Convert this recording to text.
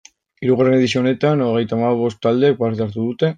Hirugarren edizio honetan, hogeita hamabost taldek parte hartu dute.